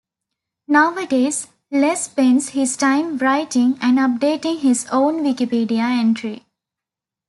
Nowadays Les spends his time writing and updating his own Wikipedia entry.